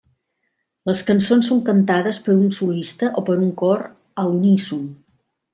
Les cançons són cantades per un solista o per un cor a l'uníson.